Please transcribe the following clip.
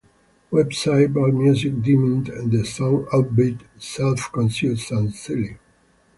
Website AllMusic deemed the song "upbeat", "self-conscious", and "silly".